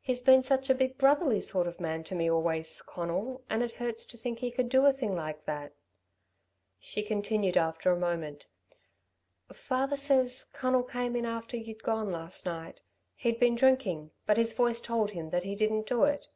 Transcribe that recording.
He's been such a big brotherly sort of man to me always, Conal, and it hurts to think he could do a thing like that." She continued after a moment. "Father says, Conal came in after you'd gone last night. He'd been drinking, but his voice told him that he didn't do it.